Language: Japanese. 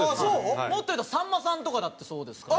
もっと言うとさんまさんとかだってそうですから。